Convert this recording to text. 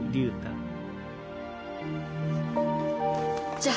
じゃあ。